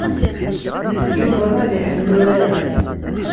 Yuba ad iḥemmel urar-a.